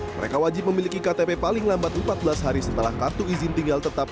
mereka wajib memiliki ktp paling lambat empat belas hari setelah kartu izin tinggal tetap